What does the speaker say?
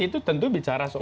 itu tentu bicara soal